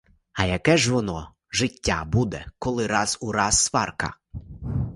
А яке ж воно життя буде, коли раз у раз сварка?